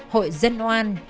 hội dân oan